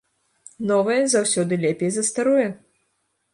Новае заўсёды лепей за старое!